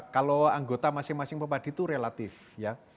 kalau anggota masing masing pepadi itu relatif ya